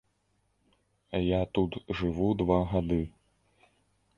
Я тут жыву два гады.